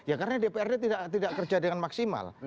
ya karena dprd tidak kerja dengan maksimal